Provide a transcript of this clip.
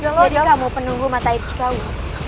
jadi kamu penunggu mata air cikawin